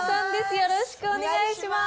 よろしくお願いします。